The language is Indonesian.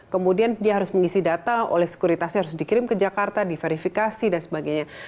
kemudian dia harus mengisi data oleh sekuritasnya harus dikirim ke jakarta diverifikasi dan sebagainya